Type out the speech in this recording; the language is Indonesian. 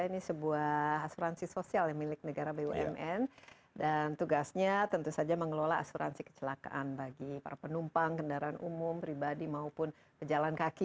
ini sebuah asuransi sosial yang milik negara bumn dan tugasnya tentu saja mengelola asuransi kecelakaan bagi para penumpang kendaraan umum pribadi maupun pejalan kaki